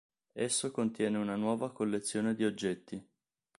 Esso contiene una nuova collezione di oggetti.